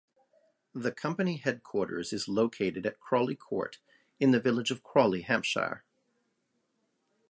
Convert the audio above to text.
The company headquarters is located at Crawley Court in the village of Crawley, Hampshire.